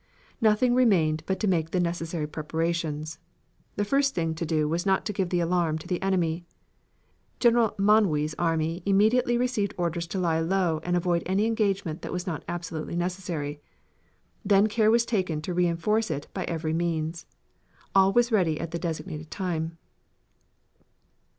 Nothing remained but to make the necessary preparations. The first thing to do was not to give the alarm to the enemy. General Manoury's army immediately received orders to lie low and avoid any engagement that was not absolutely necessary." Then care was taken to reinforce it by every means. All was ready at the designated time.